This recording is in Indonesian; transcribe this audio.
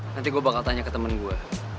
nanti gue bakal tanya ke temen gue